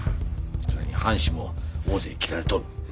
それに藩士も大勢斬られとる。